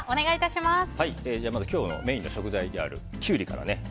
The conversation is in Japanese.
まずは今日のメインの食材であるキュウリから。